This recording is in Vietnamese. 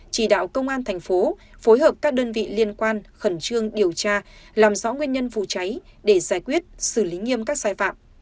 chỉ đạo công an thành phố phối hợp các đơn vị liên quan khẩn trương điều tra làm rõ nguyên nhân vụ cháy để giải quyết xử lý nghiêm các sai phạm